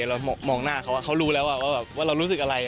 เรามองหน้าเขาเขารู้แล้วว่าเรารู้สึกอะไร